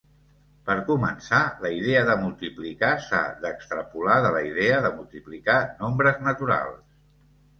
Per començar la idea de multiplicar s'ha d'extrapolar de la idea de multiplicar nombres naturals.